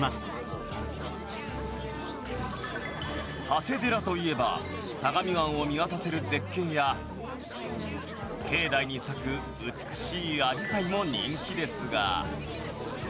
長谷寺といえば相模湾を見渡せる絶景や境内に咲く美しいアジサイも人気ですが。